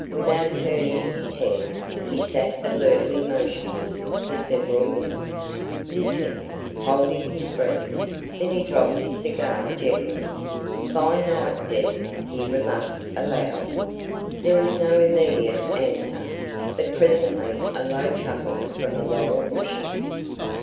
Without turning his head, he sat alertly motionless for several minutes, listening, holding his breath. Then he dropped his cigar gently. "Fine night, Deb," he remarked aloud. There was no immediate answer, but presently a low chuckle from the laurel bushes.